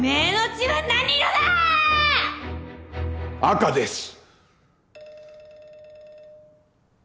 赤です。